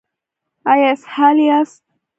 ایا اسهال یاست؟